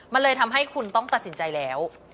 มันเลยทำให้คุณต้องตัดสินใจแล้ว